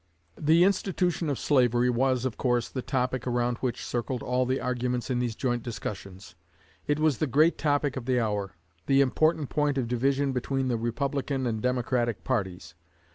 '" The institution of slavery was, of course, the topic around which circled all the arguments in these joint discussions. It was the great topic of the hour the important point of division between the Republican and Democratic parties.